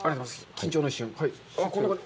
緊張の一瞬。